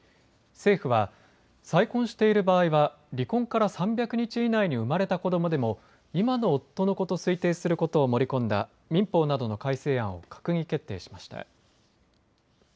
政府は再婚している場合は離婚から３００日以内に生まれた子どもでも今の夫の子と推定することを盛り込んだ民法などの改正案を閣議決定しました。